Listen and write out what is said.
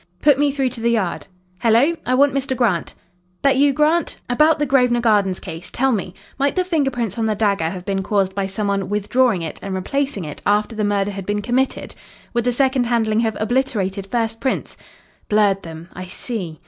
"Put me through to the Yard.... Hello! I want Mr. Grant.... That you, Grant?... About the Grosvenor Gardens case. Tell me. Might the finger prints on the dagger have been caused by some one withdrawing it and replacing it after the murder had been committed? Would the second handling have obliterated first prints?... Blurred them. I see.